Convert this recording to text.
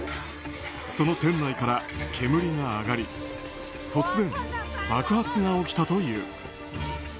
その店内から煙が上がり突然、爆発が起きたという。